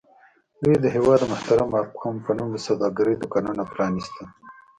دوی د هېواد د محترمو اقوامو په نوم د سوداګرۍ دوکانونه پرانیستل.